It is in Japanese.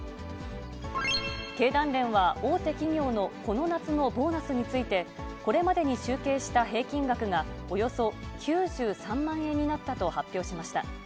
経団連は、大手企業のこの夏のボーナスについて、これまでに集計した平均額がおよそ９３万円になったと発表しました。